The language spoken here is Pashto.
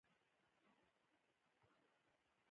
مصنوعي ځیرکتیا د فردي استعداد ملاتړ کوي.